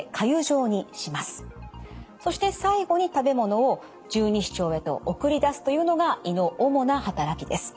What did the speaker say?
そして最後に食べ物を十二指腸へと送り出すというのが胃の主なはたらきです。